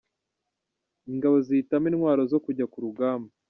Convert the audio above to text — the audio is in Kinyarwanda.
Ingabo zihitamo intwaro zo kujya ku rugamba